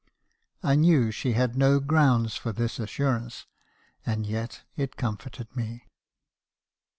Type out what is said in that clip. "I knew she had no grounds for this assurance, and yet it comforted me.